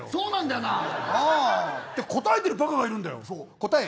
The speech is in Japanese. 答えてるばかがいるんだよ答え